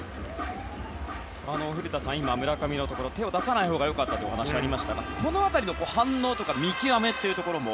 古田さん、村上のところ手を出さないほうがよかったというお話がありましたがこの辺りの反応や見極めというところも。